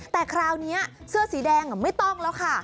แต่คราวนี้เสื้อสีแดงไม่ต้องแล้วค่ะ